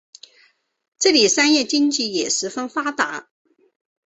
这里商业经济也十分发达。